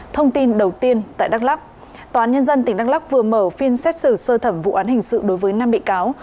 thông tin đầu tiên tại đắk lắk tòa án nhân dân tỉnh đắk lắc vừa mở phiên xét xử sơ thẩm vụ án hình sự đối với năm bị cáo